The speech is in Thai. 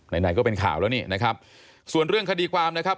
ไหนไหนก็เป็นข่าวแล้วนี่นะครับส่วนเรื่องคดีความนะครับ